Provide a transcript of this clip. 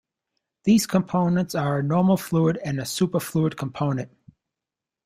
These components are a normal fluid and a superfluid component.